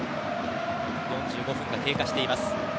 ４５分が経過しています。